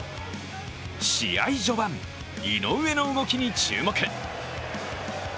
試合序盤、井上の動きに注目。